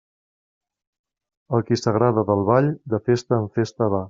El qui s'agrada del ball, de festa en festa va.